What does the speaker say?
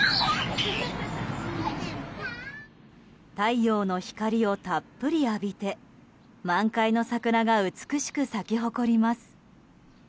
太陽の光をたっぷり浴びて満開の桜が美しく咲き誇ります。